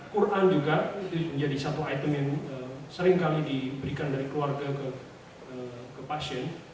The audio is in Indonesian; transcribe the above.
quran juga itu menjadi satu item yang seringkali diberikan dari keluarga ke pasien